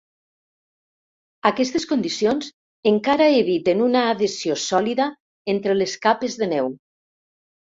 Aquestes condicions encara eviten una adhesió sòlida entre les capes de neu.